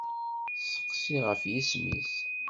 Steqsi-t ɣef yisem-is.